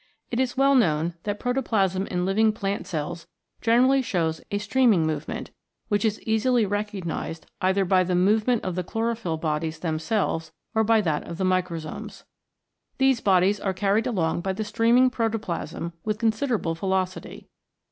It is well known that protoplasm in living plant cells generally shows a streaming movement which is easily recognised either by the movement of the chlorophyll bodies themselves or by that of the microsomes. These bodies are carried along by the streaming protoplasm with considerable velocity.